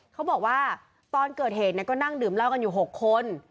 เขาบอกว่าตอนเกิดเหตุก็นั่งดื่มเหล้ากันอยู่๖คน